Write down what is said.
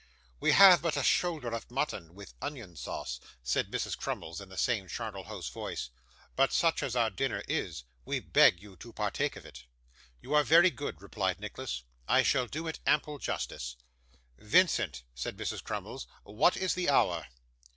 'We have but a shoulder of mutton with onion sauce,' said Mrs. Crummles, in the same charnel house voice; 'but such as our dinner is, we beg you to partake of it.' 'You are very good,' replied Nicholas, 'I shall do it ample justice.' 'Vincent,' said Mrs. Crummles, 'what is the hour?